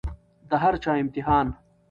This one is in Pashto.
د هر چا امتحان